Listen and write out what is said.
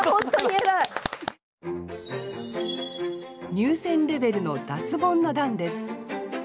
入選レベルの脱ボンの段です